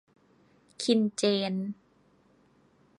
คินเจน